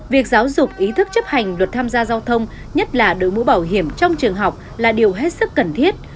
việc giáo dục ý thức chấp hành luật tham gia giao thông nhất là đối mũ bảo hiểm trong trường học là điều hết sức cần thiết